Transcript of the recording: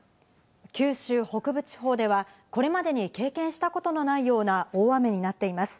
九州北部地方では、これまでに経験したことのないような大雨になっています。